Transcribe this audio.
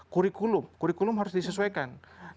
kurikulum kurikulum harus disesuaikan